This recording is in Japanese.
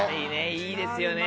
いいですよね。